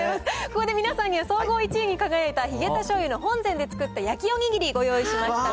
ここで皆さんには、総合１位に輝いたヒゲタしょうゆの本膳で作った焼きお握り、ご用意しました。